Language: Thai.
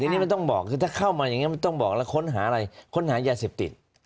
ทีนี้มันต้องบอกคือถ้าเข้ามาอย่างนี้มันต้องบอกแล้วค้นหาอะไรค้นหายาเสพติด